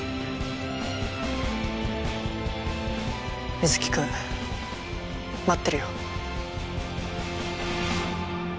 水城君待ってるよ。